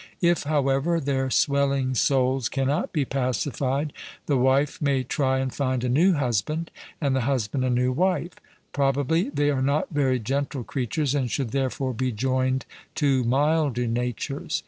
If, however, their swelling souls cannot be pacified, the wife may try and find a new husband, and the husband a new wife; probably they are not very gentle creatures, and should therefore be joined to milder natures.